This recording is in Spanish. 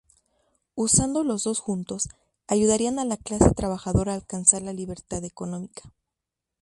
Usando los dos juntos, ayudarían a la clase trabajadora a alcanzar la libertad económica.